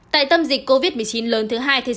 tại tâm dịch covid một mươi chín lớn thứ hai